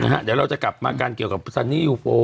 เดี๋ยวเราจะกลับมากันเกี่ยวกับซันนี่ยูโฟ